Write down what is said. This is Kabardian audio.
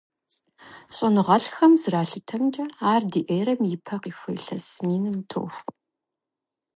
Щӏэныгъэлӏхэм зэралъытэмкӏэ, ар ди эрэм и пэ къихуэ илъэс миным тохуэ.